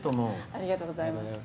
ありがとうございます。